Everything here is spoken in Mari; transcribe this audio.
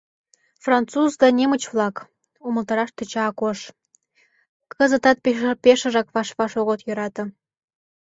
— Француз да немыч-влак, — умылтараш тӧча Акош, — кызытат пешыжак ваш-ваш огыт йӧрате.